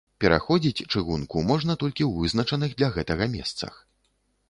Пераходзіць чыгунку можна толькі ў вызначаных для гэтага месцах.